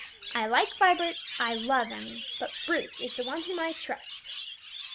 I like Vibert; I love Emmie; but Bruce is the one whom I trust."